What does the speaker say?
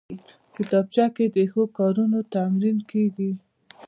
کتابچه کې د ښو کارونو تمرین کېږي